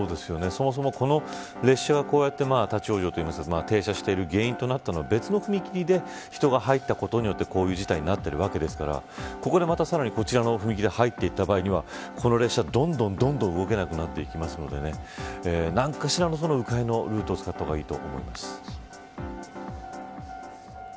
そもそも、列車が立ち往生というか停車している原因となったのは別の踏切で人が入ったことによってこういう事態になっているわけですからここでまたさらに、こちらの踏切で入っていった場合にはこの列車どんどん動けなくなっていくので何かしらの、迂回のルートを使った方がいいと思います。